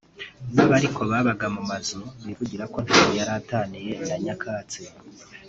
na bo ariko babaga mu mazu bivugira ko ntaho yari ataniye na nyakatsi